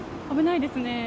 危ないですね。